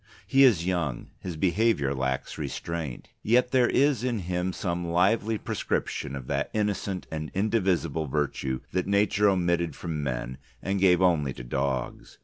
He is young: his behaviour lacks restraint. Yet there is in him some lively prescription of that innocent and indivisible virtue that Nature omitted from men and gave only to Dogs.